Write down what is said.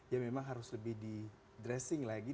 ya memang harus lebih di dressing lagi